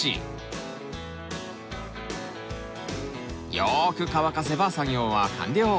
よく乾かせば作業は完了。